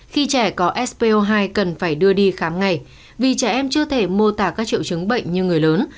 khi trẻ có sp hai cần phải đưa đi khám ngày vì trẻ em chưa thể mô tả các triệu chứng bệnh như người lớn